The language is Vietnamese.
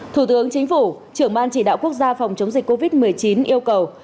thủ tướng chính phủ trưởng ban chỉ đạo quốc gia phòng chống dịch covid một mươi chín yêu cầu